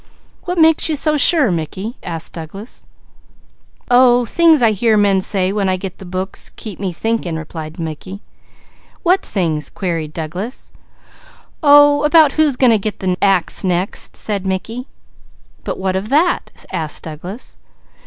"What makes you so sure, Mickey?" said Douglas. "Oh things I hear men say when I get the books keep me thinking," replied Mickey. "What things?" queried Douglas. "Oh about who's going to get the axe next!" said Mickey. "But what of that?" asked Douglas.